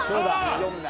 ４だ！